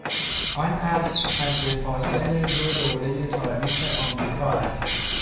آن عصر حدفاصل دو دورهی تاریخ امریکا است.